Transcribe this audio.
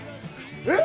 えっ？